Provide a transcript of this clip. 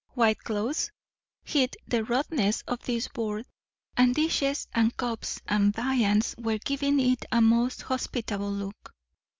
White cloths hid the rudeness of this board, and dishes and cups and viands were giving it a most hospitable look.